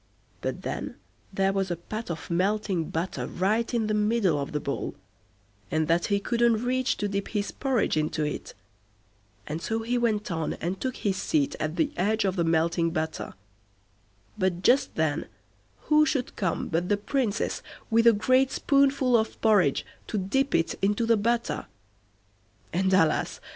But then there was a pat of melting butter right in the middle of the bowl, and that he couldn't reach to dip his porridge into it, and so he went on and took his seat at the edge of the melting butter; but just then who should come but the Princess, with a great spoonful of porridge to dip it into the butter; and, alas!